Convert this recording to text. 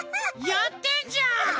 やってんじゃん！